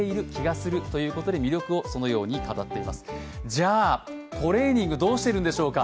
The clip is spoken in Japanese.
じゃあ、トレーニングどうしているんでしょうか。